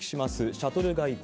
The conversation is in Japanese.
シャトル外交。